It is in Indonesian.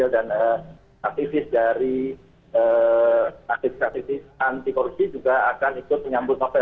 dan aktivis dari aktivis aktivis anti korupsi juga akan ikut penyambut novel